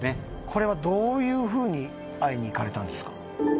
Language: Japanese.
これはどういうふうに会いに行かれたんですか？